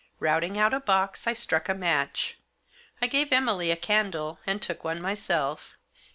Routing out a box, I struck a match. I gave Emily a candle and took one myself.